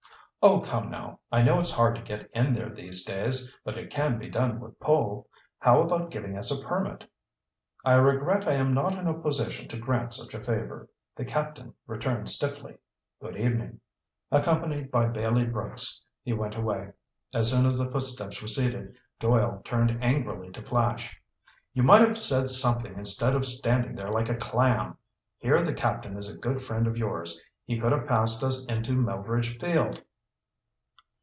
"Oh, come now, I know it's hard to get in there these days, but it can be done with pull. How about giving us a permit?" "I regret I am not in a position to grant such a favor," the captain returned stiffly. "Good evening." Accompanied by Bailey Brooks, he went away. As soon as the footsteps receded, Doyle turned angrily to Flash. "You might have said something instead of standing there like a clam! Here the Captain is a good friend of yours. He could have passed us into Melveredge Field."